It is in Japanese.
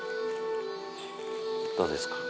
どうですか？